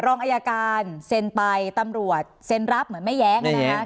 รองอายการเซ็นไปตำรวจเซ็นรับเหมือนไม่แย้ง